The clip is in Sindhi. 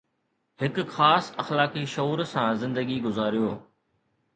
هڪ خاص اخلاقي شعور سان زندگي گذاريو